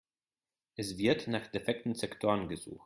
Es wird nach defekten Sektoren gesucht.